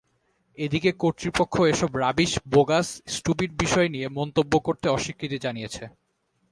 এদিকে কর্তৃপক্ষ এসব রাবিশ, বোগাস, স্টুপিড বিষয় নিয়ে মন্তব্য করতে অস্বীকৃতি জানিয়েছে।